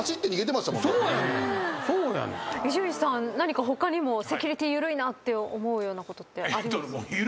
伊集院さん何か他にもセキュリティ緩いなって思うようなことってあります？